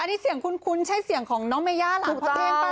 อันนี้เสียงคุ้นใช่เสียงของน้องเมย่าหลังเธอเท่ะ